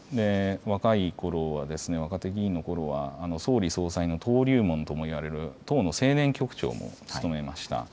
若いころは、若手議員のころは総理総裁の登竜門ともいわれる党の青年局長も務めました。